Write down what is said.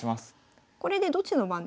これでどっちの番ですか？